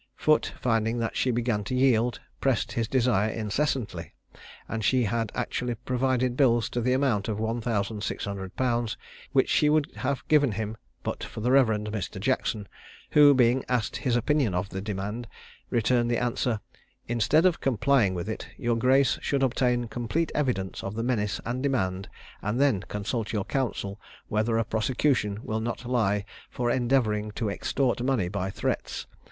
Foote, finding that she began to yield, pressed his desire incessantly; and she had actually provided bills to the amount of one thousand six hundred pounds, which she would have given him but for the Rev. Mr. Jackson, who, being asked his opinion of the demand, returned this answer: "Instead of complying with it, your grace should obtain complete evidence of the menace and demand, and then consult your counsel whether a prosecution will not lie for endeavouring to extort money by threats.